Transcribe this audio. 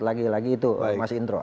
lagi lagi itu mas indro